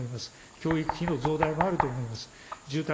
教育費の増大もあると思います。